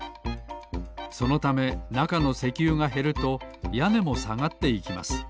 そのためなかの石油がへるとやねもさがっていきます